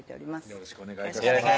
よろしくお願いします